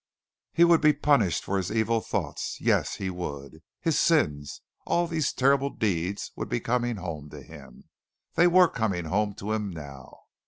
He would be punished for his evil thoughts yes, he would. His sins, all these terrible deeds would be coming home to him. They were coming home to him now.